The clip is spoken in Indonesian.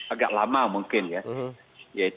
agak lama mungkin ya